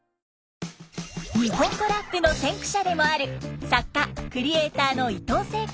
日本語ラップの先駆者でもある作家クリエーターのいとうせいこうさん。